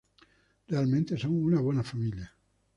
Realmente son una buena familia.